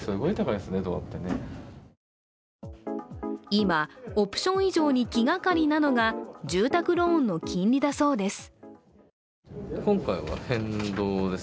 今、オプション以上に気がかりなのが住宅ローンの金利だそうです。